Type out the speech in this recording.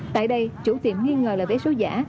tại đây chủ tiệm nghi ngờ là vé số giả